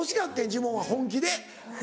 ジモンは本気で。